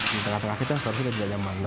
seharusnya dia tidak nyaman di manusia